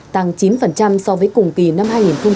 tăng chín so với cùng kỳ năm hai nghìn hai mươi